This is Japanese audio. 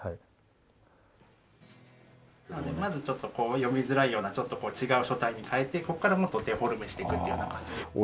まずちょっと読みづらいような違う書体に変えてここからもっとデフォルメしていくというような感じですね。